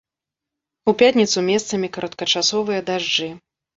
У пятніцу месцамі кароткачасовыя дажджы.